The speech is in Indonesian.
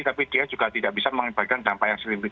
tapi dia juga tidak bisa mengibarkan dampak yang signifikan